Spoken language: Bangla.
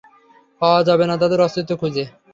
পাওয়া যাবে না তাদের অস্তিত্ব খুঁজে।